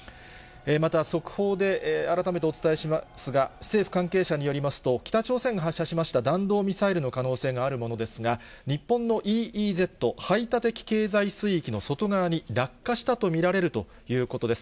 また速報で改めてお伝えしますが、政府関係者によりますと、北朝鮮が発射しました弾道ミサイルの可能性があるものですが、日本のＥＥＺ・排他的経済水域の外側に落下したと見られるということです。